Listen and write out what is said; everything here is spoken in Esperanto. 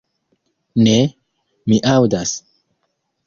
Ne, mi aŭdas.